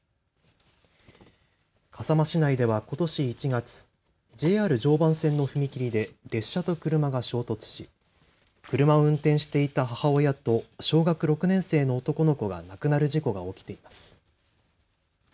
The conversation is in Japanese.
笠間市内ではことし１月、ＪＲ常磐線の踏切で列車と車が衝突し車を運転していた母親と小学６年生の男の子が亡くなる事故が起きています。